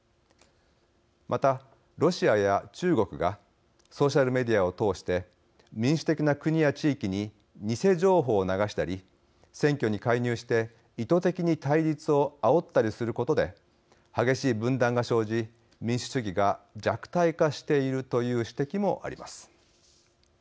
また、ロシアや中国がソーシャルメディアを通して民主的な国や地域に偽情報を流したり選挙に介入して意図的に対立をあおったりすることで激しい分断が生じ、民主主義が弱体化しているという指摘もあります。